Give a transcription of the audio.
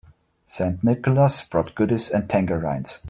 St. Nicholas brought goodies and tangerines.